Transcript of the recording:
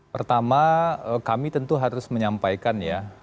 pertama kami tentu harus menyampaikan ya